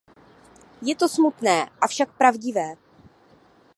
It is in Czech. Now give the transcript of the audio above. Je to smutné, avšak pravdivé.